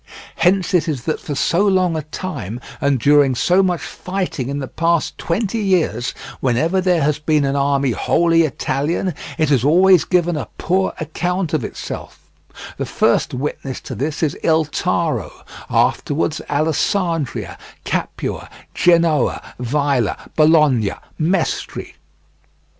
Hence it is that for so long a time, and during so much fighting in the past twenty years, whenever there has been an army wholly Italian, it has always given a poor account of itself; the first witness to this is Il Taro, afterwards Allesandria, Capua, Genoa, Vaila, Bologna, Mestri.